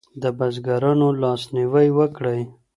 د بزګرانو لاسنیوی وکړئ.